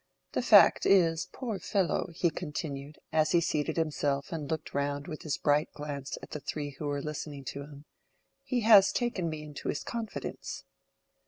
The fact is, poor fellow," he continued, as he seated himself and looked round with his bright glance at the three who were listening to him, "he has taken me into his confidence."